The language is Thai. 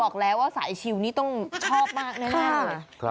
บอกแล้วว่าสายชิวนี่ต้องชอบมากแน่